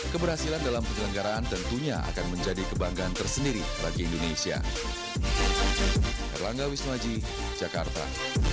keberhasilan asean games ini juga akan membuat asean games menjadi satu perusahaan yang sangat berharga